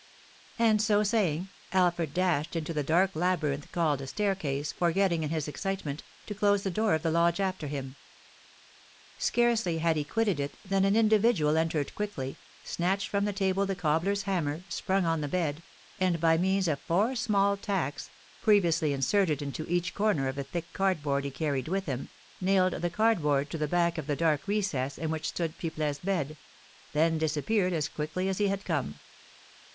And so saying, Alfred dashed into the dark labyrinth called a staircase, forgetting, in his excitement, to close the door of the lodge after him. Scarcely had he quitted it than an individual entered quickly, snatched from the table the cobbler's hammer, sprung on the bed, and, by means of four small tacks, previously inserted into each corner of a thick cardboard he carried with him, nailed the cardboard to the back of the dark recess in which stood Pipelet's bed; then disappeared as quickly as he had come.